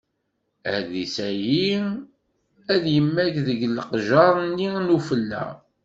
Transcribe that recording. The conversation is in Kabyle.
Adlis-ayi ad yemmag deg leqjer-nni n ufella.